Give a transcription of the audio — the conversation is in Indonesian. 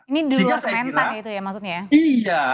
ini di luar mental itu ya maksudnya